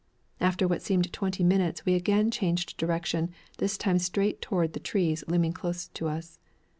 After what seemed twenty minutes, we again changed direction, this time straight toward the trees looming close to us.